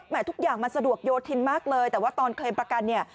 ทุกอย่างมันสะดวกโยธินมากเลยแต่ว่าตอนเคลมประกันเนี่ย